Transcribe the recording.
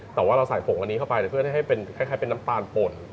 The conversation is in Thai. แต่ว่าเราใส่ผงอันนี้เข้าไปเพื่อให้เป็นคล้ายเป็นน้ำตาลป่น